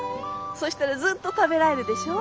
そしたらずっと食べられるでしょ。